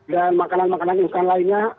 dan makanan makanan yang lainnya